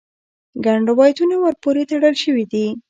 ګڼ روایتونه ور پورې تړل شوي دي.